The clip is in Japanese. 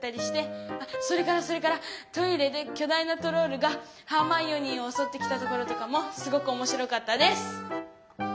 あそれからそれからトイレできょ大なトロールがハーマイオニーをおそってきたところとかもすごくおもしろかったです！